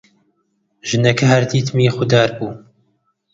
ژنەکە هەر دیتمی خودار بوو: